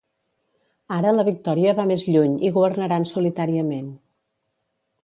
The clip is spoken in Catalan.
Ara la victòria va més lluny i governaran solitàriament.